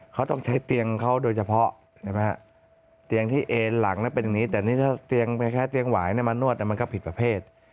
เขาต้องใช้เตียงเขาโดยเฉพาะใช่ไหมครับเตียงที่เอนหลังเนี่ยเป็นอย่างนี้แต่นี่ถ้าเตียงแค่เตียงหวายเนี่ยมานวดเนี่ยมันก็ผิดประเภท